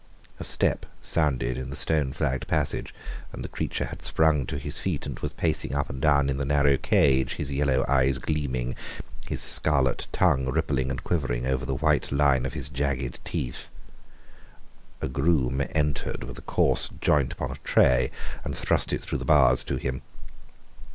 A step sounded in the stone flagged passage, and the creature had sprung to his feet, and was pacing up and down the narrow cage, his yellow eyes gleaming, and his scarlet tongue rippling and quivering over the white line of his jagged teeth. A groom entered with a coarse joint upon a tray, and thrust it through the bars to him.